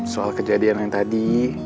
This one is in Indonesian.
soal kejadian yang tadi